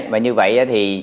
và như vậy thì